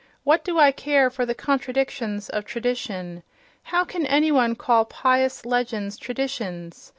What do I care for the contradictions of "tradition"? How can any one call pious legends "traditions"?